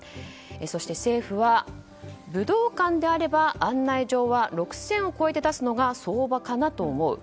そして、政府は武道館であれば案内状は６０００を超えて出すのが相場かなと思う。